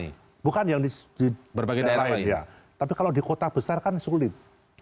iya bukan yang di berbagai daerah tapi kalau di kota besar kan sulit